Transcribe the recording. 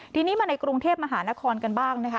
ทีนี้มาในกรุงเทพมหานครกันบ้างนะคะ